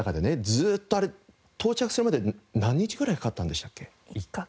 ずっとあれ到着するまで何日くらいかかったんでしたっけ？